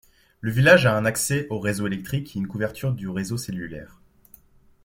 Le village a un accès au réseau électrique et une couverture du réseau cellulaire.